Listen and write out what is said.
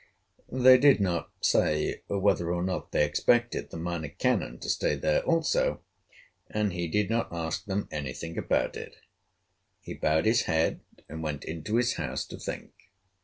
They did not say whether or not they expected the Minor Canon to stay there also, and he did not ask them any thing about it. He bowed his head, and went into his house, to think.